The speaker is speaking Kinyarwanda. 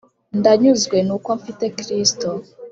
ndanyuzwe ni uko mfite kristo